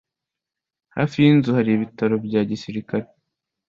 Hafi y'inzu hari ibitaro bya gisirikare.